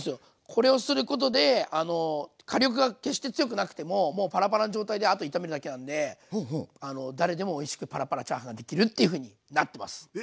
これをすることで火力が決して強くなくてももうパラパラの状態であと炒めるだけなんで誰でもおいしくパラパラチャーハンができるっていうふうになってます。